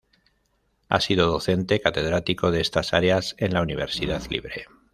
Ha sido docente catedrático de estas áreas en la Universidad Libre.